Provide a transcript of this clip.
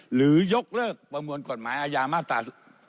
หรือยกเลิกประมวลกฎหมายอาญามาตรา๑๑๒